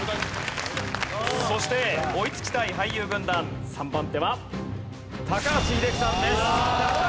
そして追いつきたい俳優軍団３番手は高橋英樹さんです。